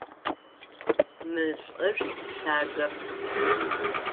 Мы лӏыр лъагэп.